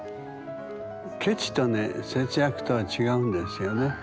ケチとね節約とは違うんですよね。